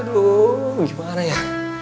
aduh gimana ya